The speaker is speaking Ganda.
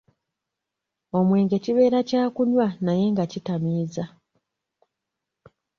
Omwenge kibeera kya kunywa naye nga kitamiiza.